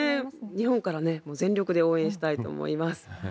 日本から全力で応援したいと思います。